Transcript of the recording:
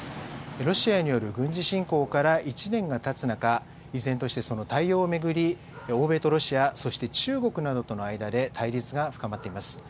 ロシアによる軍事侵攻から１年がたつ中、依然としてその対応を巡り、欧米とロシア、そして中国などとの間で対立が深まっています。